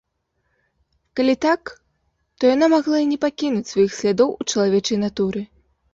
Калі так, то яна магла і не пакінуць сваіх слядоў у чалавечай натуры.